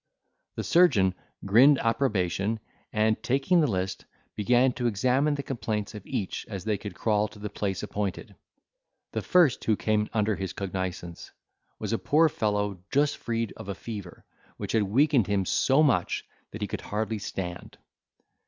The surgeon grinned approbation, and, taking the list, began to examine the complaints of each as they could crawl to the place appointed. The first who came under his cognizance was a poor fellow just freed of a fever, which had weakened him so much that he could hardly stand.